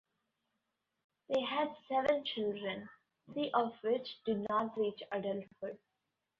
They had seven children, three of which did not reach adulthood.